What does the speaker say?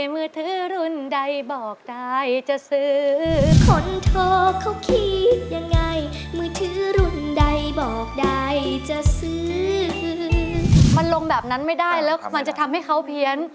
มันลงแบบนั้นไม่ได้แล้วมันจะทำให้เขาเพี้ยน